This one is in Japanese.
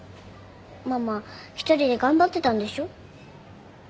ママ１人で頑張ってたんでしょ？